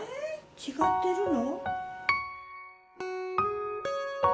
違ってるの？